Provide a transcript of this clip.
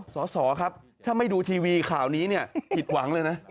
สอสอครับถ้าไม่ดูทีวีข่าวนี้เนี่ยผิดหวังเลยนะ